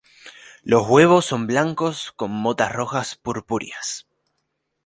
Los huevos son blancos con motas rojas purpúreas.